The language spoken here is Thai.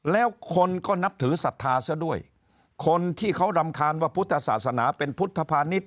แล้วคนก็นับถือศรัทธาซะด้วยคนที่เขารำคาญว่าพุทธศาสนาเป็นพุทธพาณิชย